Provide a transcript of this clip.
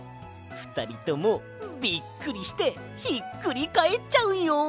ふたりともびっくりしてひっくりかえっちゃうよ。